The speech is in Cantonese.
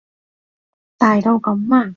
大到噉啊？